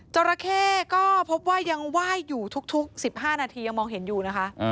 ราเข้ก็พบว่ายังไหว้อยู่ทุก๑๕นาทียังมองเห็นอยู่นะคะ